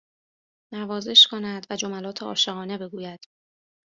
نوازش کند و جملات عاشقانه بگوید